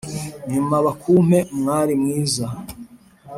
nyuma bakumpe mwari mwiza.